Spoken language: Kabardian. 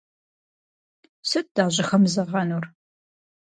Сыт дащӏыхэмызэгъэнур?